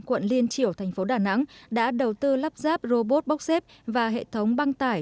quận liên triểu thành phố đà nẵng đã đầu tư lắp ráp robot bốc xếp và hệ thống băng tải